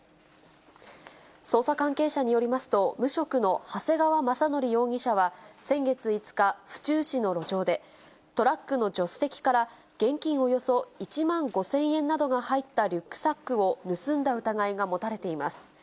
捜査関係者によりますと、無職の長谷川政則容疑者は先月５日、府中市の路上で、トラックの助手席から現金およそ１万５０００円などが入ったリュックサックを盗んだ疑いが持たれています。